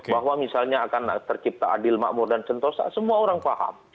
bahwa misalnya akan tercipta adil makmur dan sentosa semua orang paham